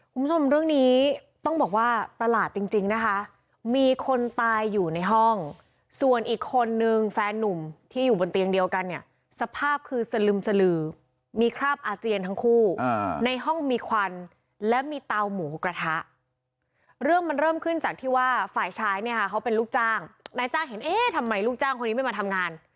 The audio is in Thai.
คุณผู้ชมเรื่องนี้ต้องบอกว่าประหลาดจริงจริงนะคะมีคนตายอยู่ในห้องส่วนอีกคนนึงแฟนนุ่มที่อยู่บนเตียงเดียวกันเนี่ยสภาพคือสลึมสลือมีคราบอาเจียนทั้งคู่ในห้องมีควันและมีเตาหมูกระทะเรื่องมันเริ่มขึ้นจากที่ว่าฝ่ายชายเนี่ยค่ะเขาเป็นลูกจ้างนายจ้างเห็นเอ๊ะทำไมลูกจ้างคนนี้ไม่มาทำงาน